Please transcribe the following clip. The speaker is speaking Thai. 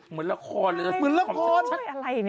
เหมือนละคร